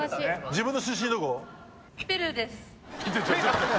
自分の出身どこ？